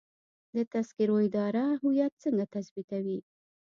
د تذکرو اداره هویت څنګه تثبیتوي؟